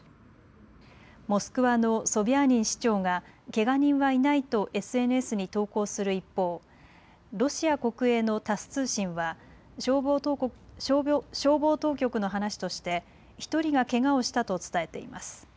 モスクワのソビャーニン市長がけが人はいないとＳＮＳに投稿する一方、ロシア国営のタス通信は消防当局の話として１人がけがをしたと伝えています。